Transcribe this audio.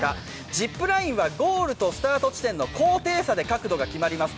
ジップラインはゴールとスタート地点の高低差で角度が決まります。